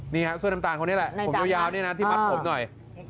นี่ฮะเสื้อน้ำตาลคนนี้แหละผมยาวนี่นะที่มัดผมหน่อย